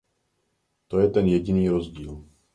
To je ten jediný rozdíl.